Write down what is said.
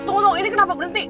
tunggu ini kenapa berhenti